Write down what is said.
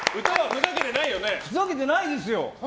ふざけてないですよ！